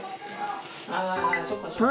あそっかそっか。